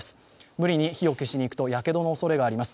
無理に火を消しにいくとやけどの恐れがあります。